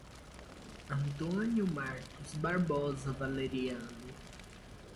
Antônio Marcos Barbosa Valeriano